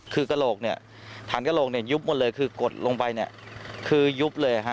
คือกระโลกฐานกระโลกยุบหมดเลยคือกดลงไปคือยุบเลย